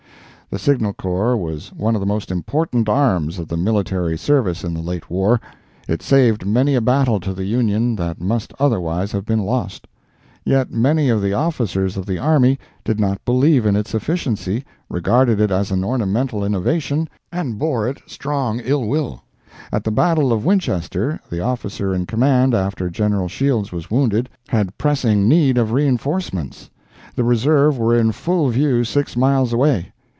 The signal Corps was one of the most important arms of the military service in the late war. It saved many a battle to the Union that must otherwise have been lost. Yet many of the officers of the army did not believe in its efficiency, regarded it as an ornamental innovation, and bore it strong ill will. At the battle of Winchester, the officer in command after General Shields was wounded, had pressing need of reinforcements. The reserve were in full view six miles away.